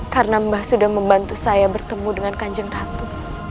karena mba sudah membantu saya bertemu dengan kanjeng ratu